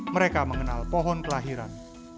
mereka mengenal pohon kelahiran